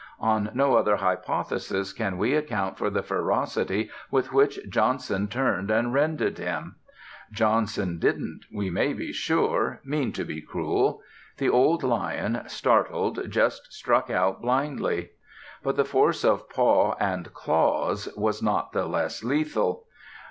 On no other hypothesis can we account for the ferocity with which Johnson turned and rended him. Johnson didn't, we may be sure, mean to be cruel. The old lion, startled, just struck out blindly. But the force of paw and claws was not the less lethal.